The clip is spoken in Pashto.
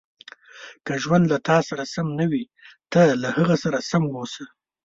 • که ژوند له تا سره سم نه وي، ته له هغه سره سم اوسه.